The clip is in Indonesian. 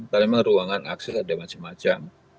karena memang ruangan akses ada macam macam